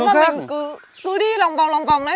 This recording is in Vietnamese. nhưng mà nếu mà mình cứ đi lòng vòng lòng vòng này